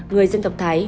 người dân tộc thái